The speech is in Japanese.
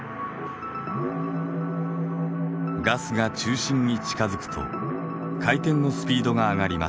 ガスが中心に近づくと回転のスピードが上がります。